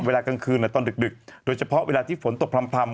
กลางคืนตอนดึกโดยเฉพาะเวลาที่ฝนตกพร่ำ